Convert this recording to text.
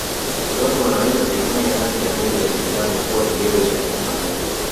Watu wanaweza kuifanya rangi ya mwili ya binadamu kuwa kigezo cha kumpa haki